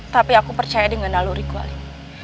tapi aku percaya dengan aluriku alim